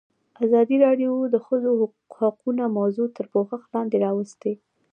ازادي راډیو د د ښځو حقونه موضوع تر پوښښ لاندې راوستې.